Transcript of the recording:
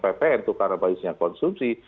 ppn itu karena basisnya konsumsi